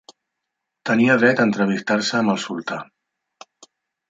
Tenia dret a entrevistar-se amb el sultà.